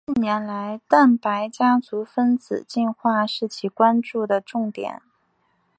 近年来蛋白家族分子进化是其关注的重点。